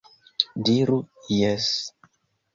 Diru jes!